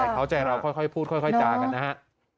เขาใจเราค่อยพูดค่อยจากันนะฮะ